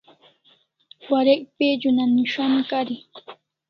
Warek page una nis'an kari